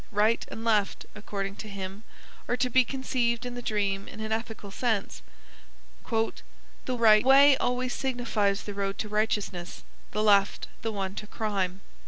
Right and left, according to him, are to be conceived in the dream in an ethical sense. "The right way always signifies the road to righteousness, the left the one to crime.